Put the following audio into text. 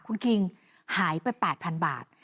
คุณคิงหายไป๘๐๐๐บาท